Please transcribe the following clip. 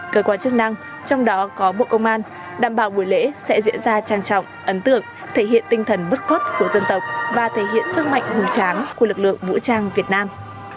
cơ quan chức năng trong đó có bộ công an đảm bảo buổi lễ sẽ diễn ra trang trọng ấn tượng thể hiện tinh thần bất khuất của dân tộc và thể hiện sức mạnh hùng tráng của lực lượng vũ trang việt nam